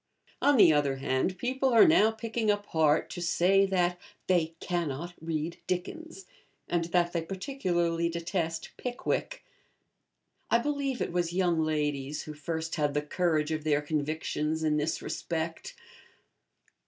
On the other hand, people are now picking up heart to say that 'they cannot read Dickens,' and that they particularly detest 'Pickwick.' I believe it was young ladies who first had the courage of their convictions in this respect.